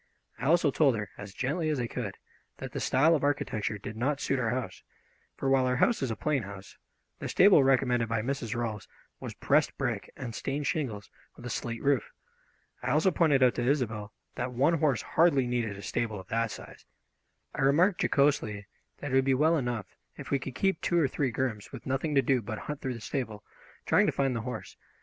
I also told her, as gently as I could, that the style of architecture did not suit our house, for while our house is a plain house, the stable recommended by Mrs. Rolfs was pressed brick and stained shingles, with a slate roof. I also pointed out to Isobel that one horse hardly needed a stable of that size, and that even a very large horse would feel lonely in the main building. I remarked jocosely that it would be well enough, if we could keep two or three grooms with nothing to do but hunt through the stable, trying to find the horse.